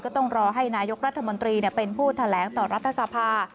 ต้องรอให้นายกรัฐมนตรีเป็นผู้แถลงต่อรัฐสภา